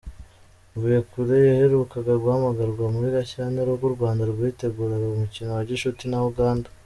Mvuyekure yaherukaga ghamagrwa muri Gashyantare ubwo u Rwanda rwiteguraga umukino wa gicuti na Uganda.